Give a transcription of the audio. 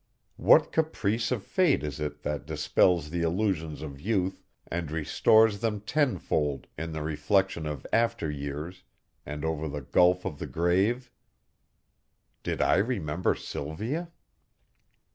What caprice of fate is it that dispels the illusions of youth and restores them tenfold in the reflection of after years and over the gulf of the grave? Did I remember Sylvia?